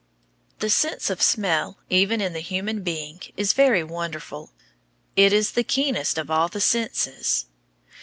The sense of smell, even in the human being, is very wonderful. It is the keenest of all the senses.